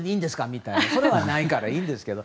みたいなそういうのがないからいいんですけど。